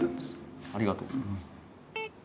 ありがとうございます。